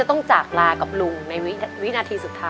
เอาไปเก็บให้ดีนะ